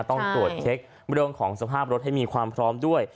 ต้องตรวจเช็คเรื่องของสภาพรถให้มีความพร้อมด้วย